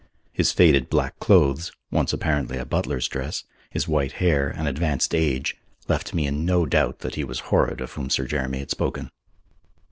His faded black clothes, once apparently a butler's dress, his white hair and advanced age left me in no doubt that he was Horrod of whom Sir Jeremy had spoken.